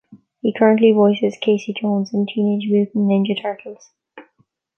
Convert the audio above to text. He currently voices Casey Jones in "Teenage Mutant Ninja Turtles".